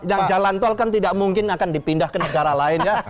dan jalan tol kan tidak mungkin akan dipindah ke negara lain ya